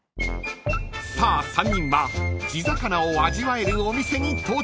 ［さあ３人は地魚を味わえるお店に到着］